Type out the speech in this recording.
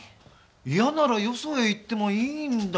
嫌ならよそへ行ってもいいんだよ。